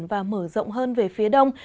và mở rộng hơn về phía đông